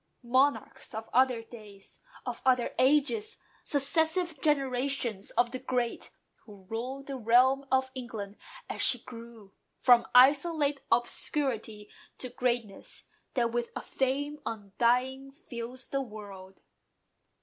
Monarchs of other days, of other ages, Successive generations of the great, Who ruled the realm of England as she grew From isolate obscurity to greatness That with a fame undying fills the world.